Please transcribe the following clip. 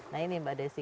nah ini mbak desy